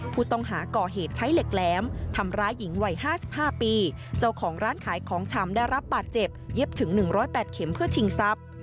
ผู้ต้องหาก่อเหตุใช้เหล็กแหลมทำร้ายหญิงวัย๕๕ปีเจ้าของร้านขายของชำได้รับบาดเจ็บเย็บถึง๑๐๘เข็มเพื่อชิงทรัพย์